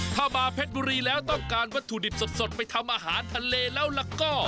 ถ้ามาเพชรบุรีแล้วต้องการวัตถุดิบสดไปทำอาหารทะเลแล้วก็